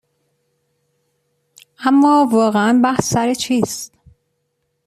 اما واقعا بحث سر چیست؟